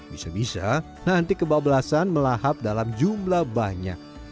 bisa bisa nanti kebab belasan melahap dalam jumlah banyak